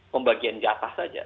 pembagian jatah saja